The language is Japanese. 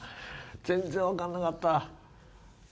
全然分かんなかった。